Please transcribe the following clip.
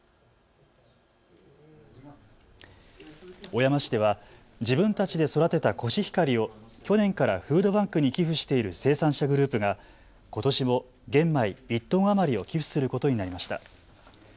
小山市では自分たちで育てたコシヒカリを去年からフードバンクに寄付している生産者グループが、ことしも玄米１トン余りを寄付することになりました。